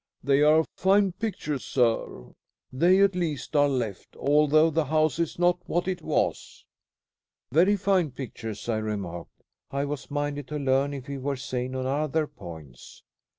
"They are fine pictures, sir. They, at least, are left, although the house is not what it was." "Very fine pictures," I remarked. I was minded to learn if he were sane on other points.